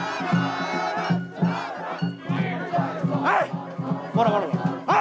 はい！